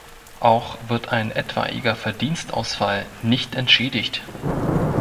Auch wird ein etwaiger Verdienstausfall nicht entschädigt.